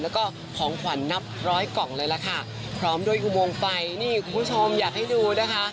แล้วก็ของขวัญนับร้อยกล่องเลยล่ะค่ะพร้อมด้วยอุโมงไฟนี่คุณผู้ชมอยากให้ดูนะคะ